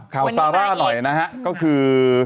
ข่าวซาล่าหน่อยนะฮะก็คือ